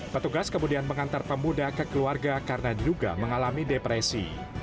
petugas kemudian mengantar pemuda ke keluarga karena diduga mengalami depresi